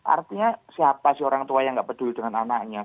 artinya siapa sih orang tua yang nggak peduli dengan anaknya